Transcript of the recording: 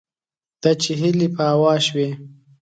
دا چې هیلې په هوا شوې